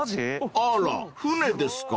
［あら船ですか？］